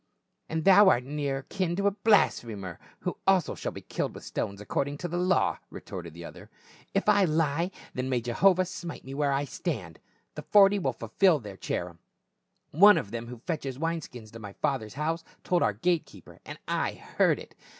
" And thou art near kin to a blasphemer, who also shall be killed with stones according to the law," retorted the other ;" if I lie, then may Jehovah smite me where I .stand. The forty will fulfil their cherem ; one of them who fetches wine skins to my father's house told our gate keeper, and I heard it.